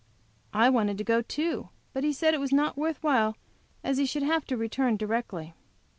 I wanted to go too, but he said it was not worth while, as he should have to return directly.